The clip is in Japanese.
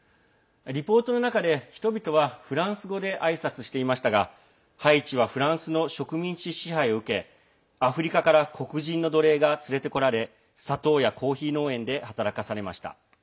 リポートの中で、人々はフランス語であいさつしていましたがハイチはフランスの植民地支配を受けアフリカから黒人の奴隷が連れてこられ砂糖やコーヒー農園で働かされました。